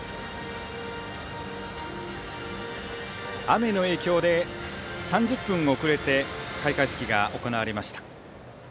雨の影響で３０分遅れて開会式が行われました。